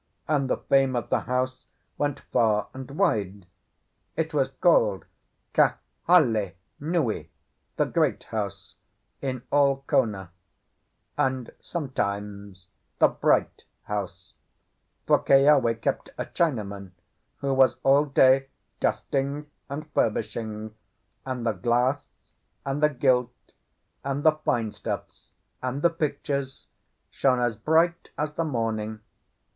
And the fame of the house went far and wide; it was called Ka Hale Nui—the Great House—in all Kona; and sometimes the Bright House, for Keawe kept a Chinaman, who was all day dusting and furbishing; and the glass, and the gilt, and the fine stuffs, and the pictures, shone as bright as the morning.